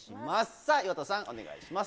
さあ、岩田さん、お願いします。